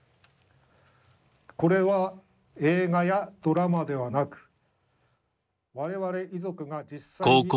これは映画やドラマではなく我々遺族が実際に。